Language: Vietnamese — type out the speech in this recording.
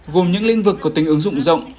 gồm những lĩnh vực có tính ứng dụng rộng